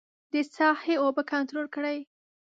د ساحې اوبه کنترول کړي.